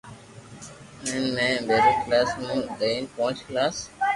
ھين ۾ پيرو ڪلاس مون لئين پونچ ڪلاس